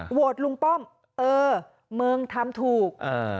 โหวตหลุงป้อมเออเมืองทำถูก